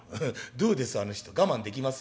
「『どうですあの人我慢できます？』。